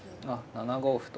７五歩と。